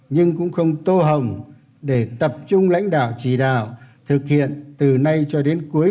nhưng cũng không tô hồng để tập trung lãnh đạo chỉ đạo thực hiện từ nay cho đến cuối